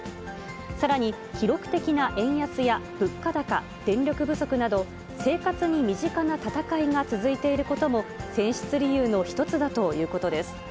さらに、記録的な円安や物価高、電力不足など、生活に身近な戦いが続いていることも、選出理由の一つだということです。